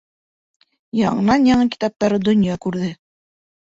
Яңынан-яңы китаптары донъя күрҙе.